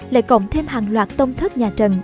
lại cộng thêm hàng loạt tông thất nhà trần